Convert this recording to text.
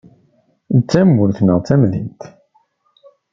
D tamurt neɣ d tamdint?